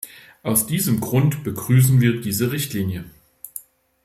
Aus diesem Grund begrüßen wir diese Richtlinie.